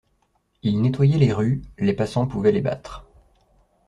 Ils nettoyaient les rues, les passants pouvaient les battre.